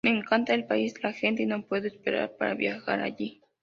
Me encanta el país, la gente y no puedo esperar para viajar allí.